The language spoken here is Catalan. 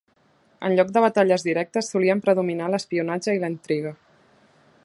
En lloc de batalles directes, solien predominar l'espionatge i la intriga.